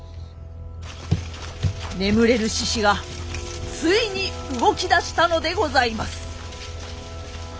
眠れる獅子がついに動き出したのでございます！